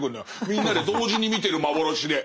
みんなで同時に見てる幻で。